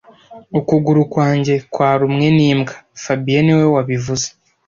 Ukuguru kwanjye kurumwe n'imbwa fabien niwe wabivuze